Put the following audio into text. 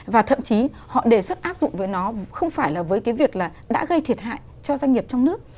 và thậm chí họ đề xuất áp dụng với nó không phải là với cái việc là đã gây thiệt hại cho doanh nghiệp trong nước